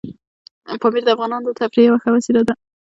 پامیر د افغانانو د تفریح یوه ښه وسیله ده.